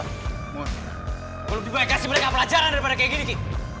mon gue lebih baik kasih mereka pelajaran daripada kayak gini ki